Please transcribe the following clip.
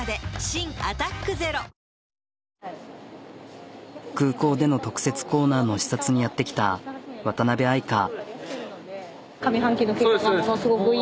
新「アタックＺＥＲＯ」空港での特設コーナーの視察にやって来た渡辺愛香。